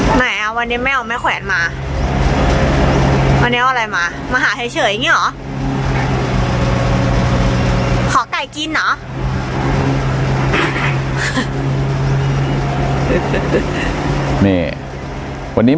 ไหนอ่ะวันนี้ไม่เอาแม่แขวนมาวันนี้เอาอะไรมามาหาเฉยอย่างนี้เหรอ